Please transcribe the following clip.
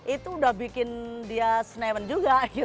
itu udah bikin dia sneven juga gitu kan